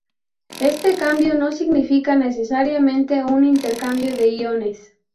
Este cambio no significa necesariamente un intercambio de iones.